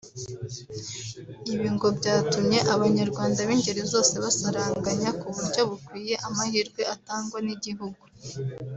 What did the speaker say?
Ibi ngo byatumye Abanyarwanda b’ingeri zose basaranganya ku buryo bukwiye amahirwe atangwa n’Igihugu